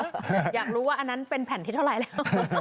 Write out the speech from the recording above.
อยากรู้ว่าอันนั้นเป็นแผ่นที่เท่าไหร่แล้ว